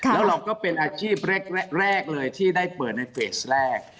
แล้วเราก็เป็นอาชีพแรกเลยที่ได้เปิดในเฟสแรก